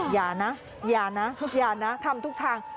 อย่านะอย่านะทำทุกทาง